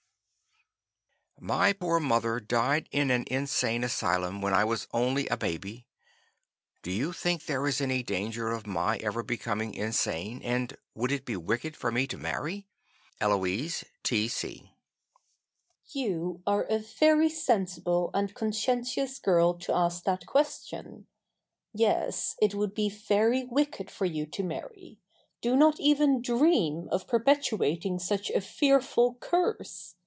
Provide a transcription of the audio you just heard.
"My poor mother died in an insane asylum when I was only a baby. Do you think there is any danger of my ever becoming insane and would it be wicked for me to marry? "Eloise T. C." You are a very sensible and conscientious girl to ask that question. Yes, it would be very wicked for you to marry. Do not even dream of perpetuating such a fearful curse!